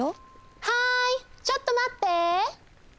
はいちょっとまって。